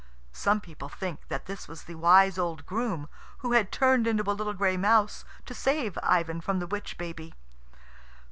Some people think that this was the wise old groom, who had turned into a little gray mouse to save Ivan from the witch baby.